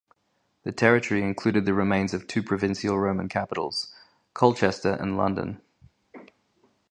The territory included the remains of two provincial Roman capitals, Colchester and London.